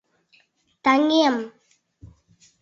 Таҥем!